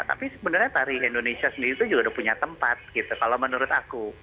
tapi sebenarnya tari indonesia sendiri itu juga udah punya tempat gitu kalau menurut aku